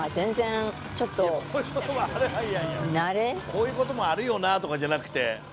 こういうこともあるよなとかじゃなくて。